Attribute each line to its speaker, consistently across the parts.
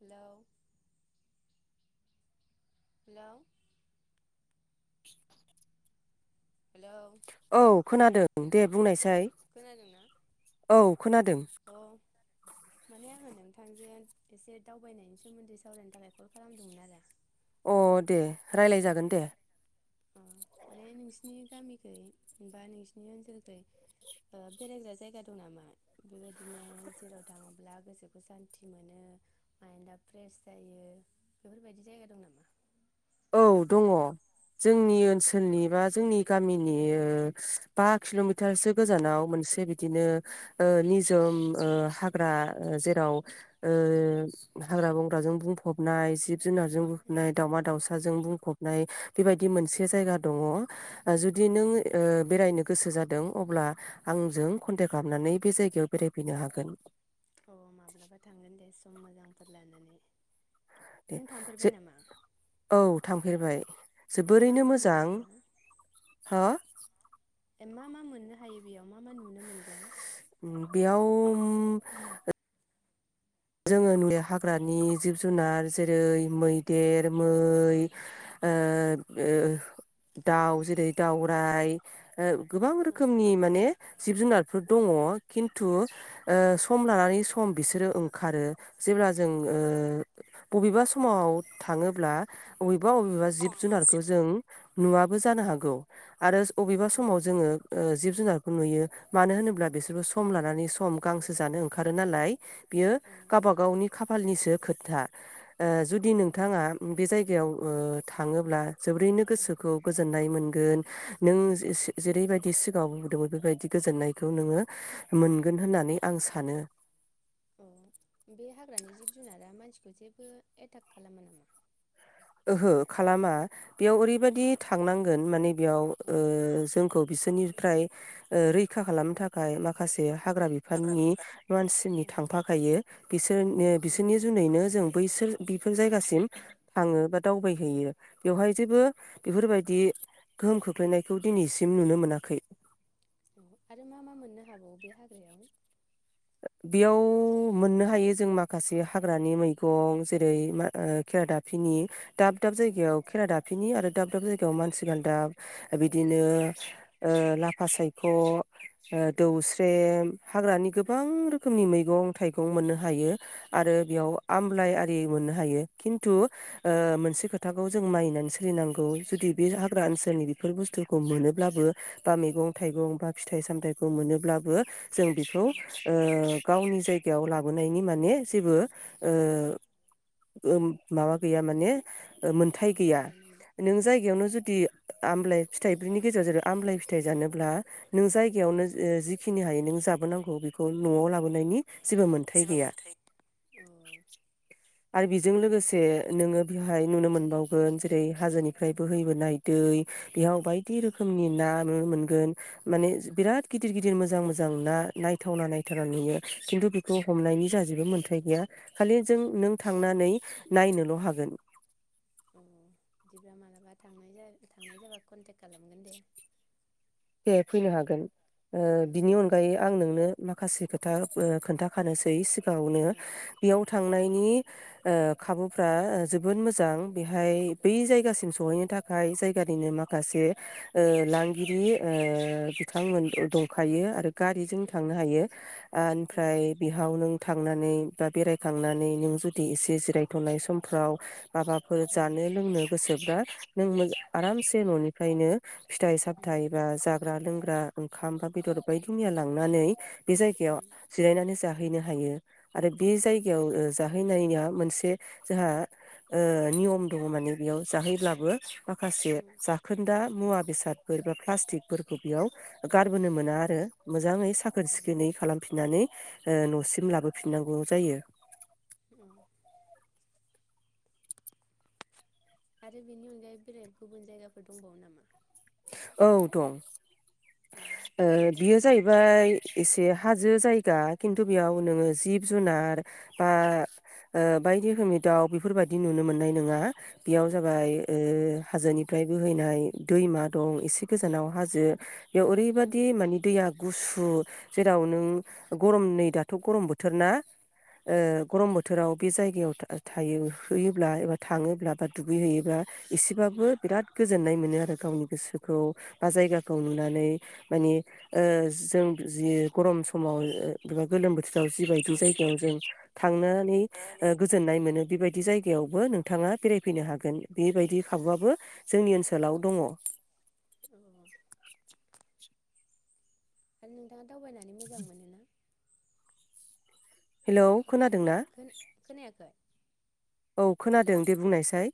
Speaker 1: हेल'। Hello. Hello
Speaker 2: [unintelligible] औ खोनादों दे बुंनायसाय
Speaker 1: खोनादोंना
Speaker 2: औ खोनादों।
Speaker 1: अ माने आङो नोंथांजों एसे दावबायनायनि सोमोन्दै सावरायनो थाखाय कल खालामदोंमोन आरो।
Speaker 2: अ दे रायलाय जागोन दे।
Speaker 1: अ माने नोंसिनि गामिखै बा नोंसिनि ओनसोलखै ओ माबा बेरायग्रा जायगा दं नामा बेबायदिनो जेराव थाङोब्ला गोसोखौ सान्थि मोनो मायण्डआ फ्रेस जायो बेफोरबायदि जायगा दं नामा?
Speaker 2: औ दङ जोंनि ओनसोलनि बा जोंनि गामिनि ओ बा किल'मिटारसो गोजानाव मोनसे बिदिनो ओ निजोम ओ हाग्रा जेराव ओ हाग्रा बंग्राजों बुंफबनाय जिब [unintelligible] जुनारजों बुंफबनाय दावमा दावसा। जों बुंफबनाय बेबायदि मोनसे जायगा दङ। जुदि नों ओ बेरायनो गोसो जादों अब्ला आंजों कन्टेक खालामनानै बे जायगायाव बेरायफैनो हागोन।
Speaker 1: अ माब्लाबा थांगोन दे सम मोजांफोर लानानै।
Speaker 2: दे
Speaker 1: नों थांफेरबाय
Speaker 2: जे
Speaker 1: नामा
Speaker 2: औ थांफेरबाय
Speaker 1: ए मा
Speaker 2: जोबोरैनो
Speaker 1: मा मोनो
Speaker 2: मोजां
Speaker 1: बेयाव
Speaker 2: हा
Speaker 1: मा-मा मोननो हायो बेयाव? मा-मा नुनो मोनगोन?
Speaker 2: बेयाव ओम जोङो नुयो हाग्रानि जिब जुनार जेरै मैदेर मै ओ ओ दाउ जेरै दाउराइ ओ गोबां
Speaker 1: औ
Speaker 2: रोखोमनि माने जिब जुनार फोर दङ खिन्थु ओ सम लानानै सम बिसोरो ओं- खारो। जेब्ला जों
Speaker 1: औ
Speaker 2: ओ बबेबा समाव थाङोब्ला अबेबा-अबेबा जिब जुनारखौ जों नुवाबो जानो हागौ आरो अबेबा
Speaker 1: औ
Speaker 2: समाव जोङो ओ जिब जुनार नुयो मानो होनोब्ला बिसोरबो सम लानानै सम गांसो जानो ओंखारो नालाय बियो
Speaker 1: औ
Speaker 2: गावबागावनि खाफालनिसो खोथा ओ जुदि नोंथाङा बे जायगायाव ओ थाङोब्ला जोबोरैनो
Speaker 1: औ
Speaker 2: गोसोखौ गोजोननाय मोनगोन नों जेरैबायदि सिगाङाव बुंदोंमोन बेबायदि गोजोननायखौ नोङो मोनगोन होननानै आं सानो
Speaker 1: अ बे हाग्रानि जिब जुनारा मानसिखौ जेबो एटाक खालामा नामा?
Speaker 2: ओहो खालामा बेयाव ओरैबायदि थांनांगोन माने बेयाव
Speaker 1: औ
Speaker 2: ओ जोंखौ बिसोरनिफ्राय ओ रैखा खालामनो थाखाय माखासे हाग्रा बिफाननि मानसिनि
Speaker 1: औ
Speaker 2: थांफाखायो किस बिसोरनि
Speaker 1: औ
Speaker 2: बिसोरनि जुनैनो जों बैसोर बेफोर जायगासिम थाङो बा दावबायहैयो बेवहाय जेबो बेफोरबायदि गोहोम खोख्लैनायखौ दिनैसिम नुनो मोनाखै
Speaker 1: [inaudible]
Speaker 2: बेयाव
Speaker 1: [inaudible]
Speaker 2: मोननो हायो जों माखासे हाग्रानि मैगं जेरै मा केेरादाफिनि दाब दाब
Speaker 1: उम
Speaker 2: जायगायाव खेरा दाफिनि आरो दाब दाब जायगायाव माथि गालदाब बिदिनो ओ लाफा सायख
Speaker 1: उम
Speaker 2: दौस्रेम हाग्रानि गोबां रोखोमनि मैगं थाइगं मोननो हायो आरो बेयाव आमलाइ आरि मोननो हायो खिन्थु ओ मोनसे खोथाखौ जों मानिनानै सोलिनांगौ जुदि बे हाग्रा ओनसोलनि बेफोर बुस्थुखौ मोनोब्लाबो बा मैगं थाइगं बा फिथाइ सामथाइ खौ मोनोब्लाबो जों बेखौ
Speaker 1: उम
Speaker 2: ओ गावनि जाय कायाव लाबोनायनि माने जेबो ओ ओ माबा गैया माने ओ
Speaker 1: औ
Speaker 2: मोनथाय गैया
Speaker 1: लाबोनो
Speaker 2: नों
Speaker 1: मोना
Speaker 2: जायगायावनो जुदि आमले फिथाइ ब्रिनि गेजेर जेर आमलाइ फि थाइ जानोब्ला नों
Speaker 1: अ औ
Speaker 2: जायगायावनो जिखिनि हायो नों जाबोनांगौ बेखौ न'आव लाबोनायनि जेबो मोनथाय गैया
Speaker 1: अ
Speaker 2: आरो बेजों
Speaker 1: बिदिब्ला
Speaker 2: लोगोसे नोङो बेहाय नुनो मोनबावगोन जेरै हाजोनिफ्राय बोहैबोनाय दै बेयाव बायदि
Speaker 1: औ
Speaker 2: रोखोमनि ना नो मोनगोन माने बिराद गिदिर गिदिर मोजां मोजां ना नायथावना नायथावना नुयो खिन्थु
Speaker 1: उम
Speaker 2: हमनायनि जा जेबो मोन्थाय गैया खालि जों नों थांनानै नायनोल' हागोन।
Speaker 1: औ बिदिब्ला मालाबा थांनाय जा थांनाय जाबा कन्टेक्ट खालामगोन दे।
Speaker 2: दे फैनो हागोन। ओ
Speaker 1: औ
Speaker 2: बिनि अनगायै आं नोंनो माखासे खोथा ओ खोन्थाखानोसै सि गांङावनो
Speaker 1: औ
Speaker 2: बेयाव थांनाय नि ओ खाबुफ्रा जोबोद मोजां। बेहाय
Speaker 1: उम
Speaker 2: बै जायगासिम सहैनो थाखाय जायगानिनो माखासे ओ लांगिरि ओ बिथांमोन दंखायो आरो गारिजों थांनो हायो ओमफ्राय बिहाव नों थांनानै बा बेरायखांनानै नों जुदि एसे जिरायथ'नाय समफ्राव माबाफोर जानो लोंनो गोसोब्रा नों मोज आरामसे न'निफ्रायनो फिथाइ सामथाइ जाग्रा लोंग्रा ओंखाम बा बेदर बायदि मैया लांनानै बे जायगायाव
Speaker 1: उम
Speaker 2: जिरायनानै जा हैनो हायो। आरो बे
Speaker 1: उम
Speaker 2: जायगायाव ओ जाहैनाया मोन से जोंहा ओ नियम दङ माने बेयाव जाहैब्लाबो माखासे जाखोन्दा मुवा बेसाद [unintelligible] प्लास्टिकफोरखौ बेयाव गारबोनो मोना आरो मोजाङै साखोन सिखोनै खालामफिननानै ओ न'सिम लाबोफिननांगौ जायो।
Speaker 1: उम। आरो बेनि अनगायै बेलेग गुबुन जायगाफोर दंबावो नामा?
Speaker 2: औ दं।
Speaker 1: अ
Speaker 2: ओ
Speaker 1: खोन्थानो
Speaker 2: बियो
Speaker 1: हागोन ना
Speaker 2: जाहैबाय एसे हाजो जाय गा खिन्थु बेयाव नोङो जिब जुनार बा ओ बायदि रोखोमनि दाउ बेफोरबायदि नुनो मोननाय नङा। बेयाव
Speaker 1: औ
Speaker 2: जाबाय ओ हाजोनि फाय बोहैनाय दैमा दं एसे गोजानाव हाजो बेयाव
Speaker 1: औ
Speaker 2: ओरैबादि माने दैया गुसु सु जेराव नों गरम नै दाथ' गरम बोथोर ना? ओ
Speaker 1: औ
Speaker 2: गरम बोथोराव बे जायगायाव थायो होयोब्ला एबा थांङोब्ला बा दुगैहैयोबा एसेबाबो बिराद गोजोननाय मोनो आरो गावनि गोसोखौ बा जायगाखौ नुनानै माने जों जि गरम समाव एबा गोलोम बोथो राव जिबायदि
Speaker 1: जावजि
Speaker 2: जायगायाव
Speaker 1: बायदि
Speaker 2: जों थांनानै
Speaker 1: नानै
Speaker 2: गोजोननाय मोनो बेबायदि जायगायाव जायगायावबो नोंथाङा बेरायफैनो हागोन बेबायदि खाबुआबो जोंनि ओनसोलाव दनङ।
Speaker 1: [inaudible] [unintelligible] मोजां मोनोना
Speaker 2: [inaudible] हेलौ खोनादोंना
Speaker 1: खोना खोनायाखै?
Speaker 2: औ
Speaker 1: हेलौ
Speaker 2: खोनादों दे बुंनायसाय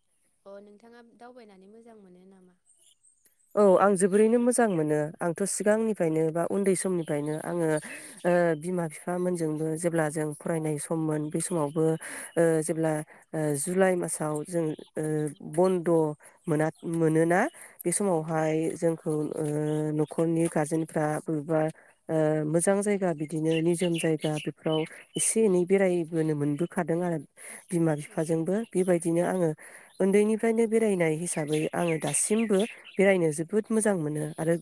Speaker 1: अ नोंथाङा दावबायनानै मोजां मोनो नामा?
Speaker 2: औ आं जोबोरैनो मोजां मोनो आंथ‌ सिगांनिफ्रायनो बा उन्दै समनिफ्रायनो आंङो बिमा बिफामोनजोंबो जेब्ला जों फरायनाय सममोन बे समावबो जेब्ला जुलाइ मासाव जों ओ
Speaker 1: औ
Speaker 2: बन्द' मोना मोनोना बे
Speaker 1: औ
Speaker 2: समावहाय जोंखौ ओ न'खरनि गारजेनफ्रा बबेबा ओ मोजां जायगा बिदिनो निजोम जायगा बेफोराव एसे एनै बेरायबोनो मोनबोखादों आरो बिमा
Speaker 1: औ
Speaker 2: बिफाजोंबो बेबाय बिदिनो आंङो उन्दैनिफ्रायनो बेरायनाय हिसाबै आंङो दासिमबो बेरायनो जोबोद मोजां मोनो आरो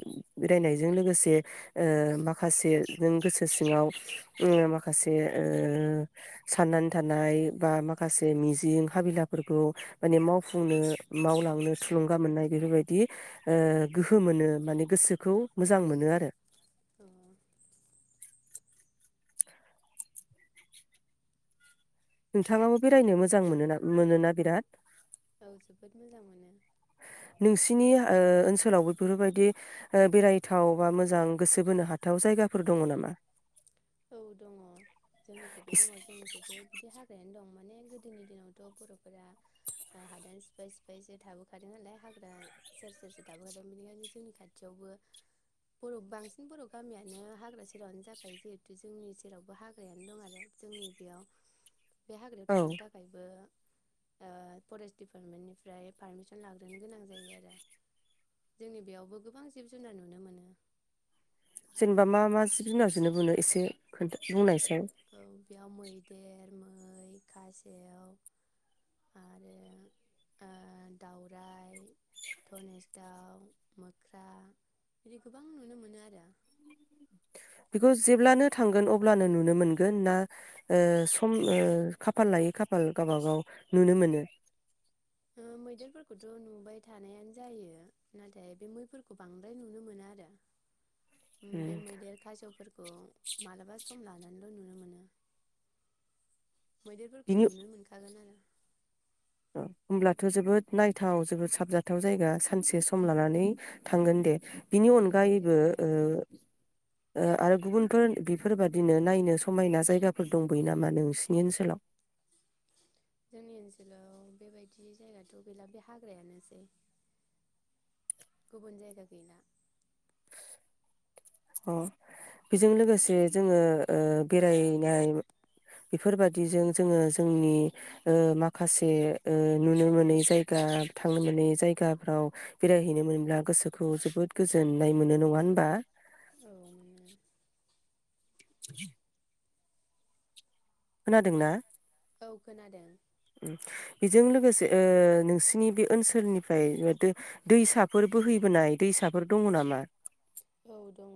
Speaker 2: बेरायनायजों लोगोसे ओ माखासे नों गोसो सिङाव माखासे ओ साननानै थानाय बा माखासे मिजिं हाबिलाफोरखौ माने मावफुंनो मावलां नो थुलुंगा मोननाय बेफोरबायदि ओ गोहो मोनो माने गोसोखौ मोजां मोनो आरो।
Speaker 1: अ
Speaker 2: नोंथांङाबो बेरायनो मोजां मोना मोनोना बिराद?
Speaker 1: औ जोबोद मोजां मोनो।
Speaker 2: नोंसिनि ओ ओनसोलावबो बेफोरबायदि ओ बेरायथाव बा मोजां गोसो बोनो हाथाव जायगाफोर दंङ नामा?
Speaker 1: औ दंङ जोंनिखेबो दंङ जोंनिखेबो बिदि हाग्रायानो दं माने गोदोनि दिनावथ बरफोरा हादान सिफाय सिफायसो थाबोखादों नालाय हाग्रा सेर सेरसो थाबोखादों बेनिखायनो जोंनि खाथियावबो बर' बांसिन बर' गामियानो हाग्रा सेरावनो जाखायोे [unintelligible] जोंनि जेरावबो हाग्रायानो दं आरो जोंनि बेयाव बे हाग्रायाव
Speaker 2: औ
Speaker 1: थांनो थाखायबो ओ फरेस्ट डिपार्टमेन्टनिफ्राय पारमिसन लाग्रोनो गोनां जायो आरो जोंनि बेयावबो गोबां जिब जुनार नुनो मोनो।
Speaker 2: जेनेबा मा मा जिब जुनार जुनो बुनो एसे खोन्था बुंनासाय। औ
Speaker 1: बेयाव मैदेर मै खासेव आरो ओ दाउरायाइ धनेस दाउ मोख्रा बिदि गोबां नुनो मोनो आरो।
Speaker 2: बेखौ जेब्लानो थांगोन अब्लानो नुनो मोनगोन ना ओ सम ओ खाफाल लायै खाफाल गावबागाव नुनो मोनो?
Speaker 1: ओ मैदेरफोर खथ' नु बाय थानायानो जायो नाथाय बे मैफोरखौ बांद्राय नुनो मोना आरो। उम बे मैदेर खासेवफोरखौ मालाबा सम लानानैल' नुनो मोनो। मैदेरफोरखौ
Speaker 2: बिनि
Speaker 1: नुनो मोनखागोन आरो।
Speaker 2: होमब्लाथ' जोबोद नायथाव जोबोद साबजाथाव जायगा सानसे सम लानानै थांगोन दे। बिनि
Speaker 1: औ दे
Speaker 2: अनगायैबो
Speaker 1: फैनो
Speaker 2: ओ
Speaker 1: हागोन
Speaker 2: ओ आरो गुबुनफोर बेफोरबादिनो नायनो समायना जायगाफोर दंबोयो नामा नोंसिनि ओनसोलाव?
Speaker 1: जोंनि ओनसोलाव बेबायदि जायगाथ' गैला बे हाग्रायानोसै गुबुन जायगा गैला।
Speaker 2: अ। बेजों लोगोसे जोङो ओ बेरायनाय बेफोरबादिजों जोङो जोंनि ओ माखासे ओ नुनो मोनै जायगा थांनो मोनै जायगाफ्राव बेरायहैनो मोन्ला गोसोखौ जोबोद गोजोननाय मोनो नङा होनबा?
Speaker 1: औ मोनो।
Speaker 2: [inaudible] खोनादों ना?
Speaker 1: औ खोनादों
Speaker 2: बेजों लोगोस ओ नोंसिनि बे ओनसोलनिफ्राय दैसाफोर बोहैबोनाय दैसाफोर दङ नामा?
Speaker 1: औ दङ।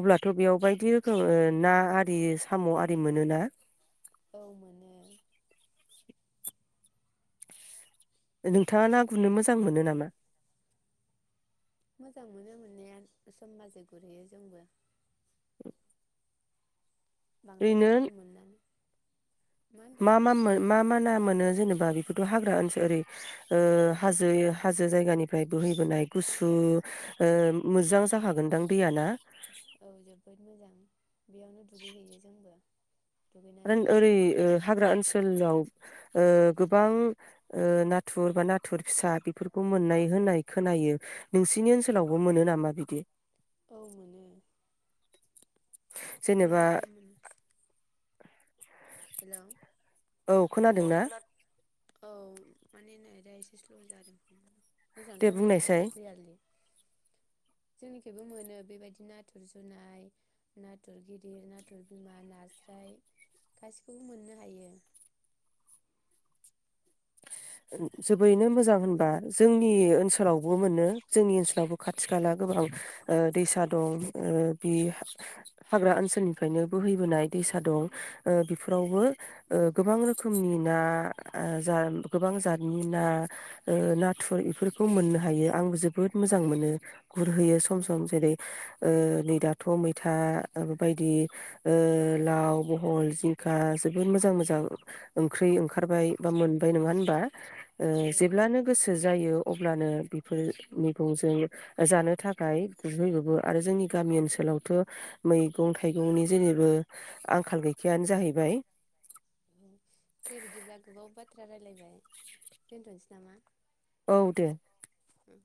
Speaker 2: अब्लाथ' बेयाव बायदि रोखोम ओ ना आरि हाम' आरि मोनोना?
Speaker 1: औ मोनो।
Speaker 2: नोंथाङा ना गुरनो मोजां मोनो नामा?
Speaker 1: मोजां मोनो मोन्नाया सम बाजै गुरहैयो जोंबो। बांद्राय
Speaker 2: ओरैनो
Speaker 1: टाइम मोनदों।
Speaker 2: मा मा मो मा मा ना मोनो जेनेबा बे थ' हाग्रा ओनसो ओरै ओ हाजो हाजो जायगानिफ्राय बोहैबोनाय गुसु ओ मोजां जाखागोनदां दैयाना?
Speaker 1: औ जोबोद मोजां बेयावनो दुगैहैयो जोंबो
Speaker 2: आरो
Speaker 1: दुगैनानै
Speaker 2: ओरै हाग्रा ओनसोलाव ओ गोबां नाथुर बा नाथुर फिसा बेफोरखौ मोननाय होननाय खोनायो नोंसिनि ओनसोलावबो मोनो नामा बिदि?
Speaker 1: औ मोनो
Speaker 2: जेनेबा
Speaker 1: बिराद मोनो। हेलौ।
Speaker 2: औ खोनादों ना?
Speaker 1: औ माने नेटा एसे स्ल' जादों मोजां
Speaker 2: दे बुंनायसाय
Speaker 1: खोनायाखैमोन क्लियारलि। जोंनिथिंबो मोनो बेबायदि नाथुर जुनाय नाथुर गिदिर नाथुर बिमा नास्राय गासिखौबो मोननो हायो।
Speaker 2: जोबोरैनो मोजां होनबा जोंनि ओनसोल। सोलावबो
Speaker 1: औ
Speaker 2: मोनो जोंनि ओनसोलावबो खाथि खाला गोबां ओ दैसा दं बे हाग्रा ओनसोलनिफ्रायनो बोहैबोनाय दैसा दं ओ बेफोरावबो
Speaker 1: औ
Speaker 2: ओ गोबां रोखोमनि ना ओ जा गोबां जातनि ओ ना नाथुर इफोरखौ मोननो हायो आं जोबोद मोजां मोनो। गुरहोयो सम सम जेरै ओ नै दाथ' मैथा बदि ओ लाव, बहल, जिंखा जोबोद मोजां मोजां ओंख्रि ओंखारबाय बा मोनबाय नङा बा ओ
Speaker 1: औ
Speaker 2: जेब्लानो गोसो जायो। अब्लानो बेफोर मैगंजों जानो थाखाय गुरहैजोबो आरो जोंनि गामि ओनसोलावथ' मैगं थाइगंनि जेनिबो आंखाल गैखायानो जाहैबाय।
Speaker 1: दे बिदिब्ला गोबाव बाथ्रा रायलायबाय दोनथ'नोसै नामा?
Speaker 2: औ दे।
Speaker 1: उम